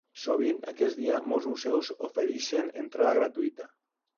Sovint, aquest dia molts museus ofereixen entrada gratuïta.